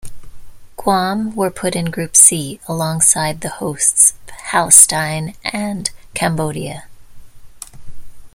Guam were put in Group C alongside the hosts, Palestine and Cambodia.